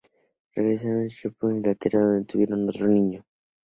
Regresaron a Shropshire, Inglaterra, donde tuvieron otro niño.